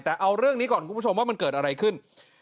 แต่เอาเรื่องนี้ก่อนคุณผู้ชมว่ามันเกิดอะไรขึ้น